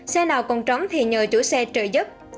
xe nào còn trống thì nhờ chủ xe trợ dấp